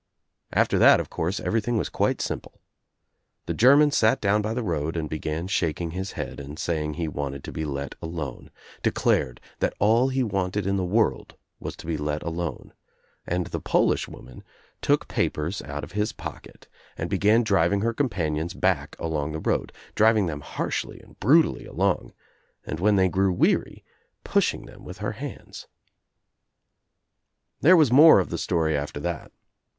After that, of course, everything was quite simple. The German sat down by the road and began shaking his head and saying he wanted to be let alone, de clared that all he wanted in the world was to be let alone, and the Polish woman took papers out of his pocket and began driving her companions back along the road, driving them harshly and brutally along, and when they grew weary pushing them with her hands. There was more of the story after that.